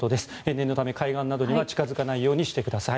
念のため海岸などには近付かないようにしてください。